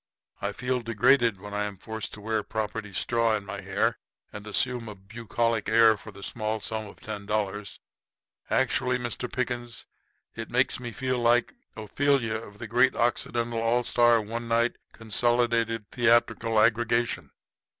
I feel degraded when I am forced to wear property straw in my hair and assume a bucolic air for the small sum of ten dollars. Actually, Mr. Pickens, it makes me feel like the Ophelia of the Great Occidental All Star One Night Consolidated Theatrical Aggregation."